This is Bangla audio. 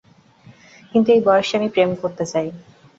কিন্তু এই বয়সে আমি প্রেম করতে চাই।